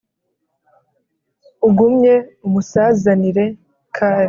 Ugumye umusazanire Kal